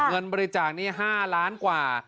เงินบริจาคนี้๕ล้านกว่า